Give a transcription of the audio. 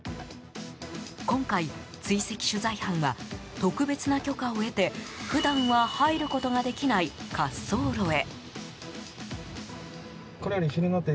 今回、追跡取材班は特別な許可を得て普段は入ることができない滑走路へ。